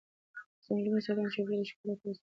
د ځنګلونو ساتنه د چاپېر یال د ښکلا لپاره ضروري ده.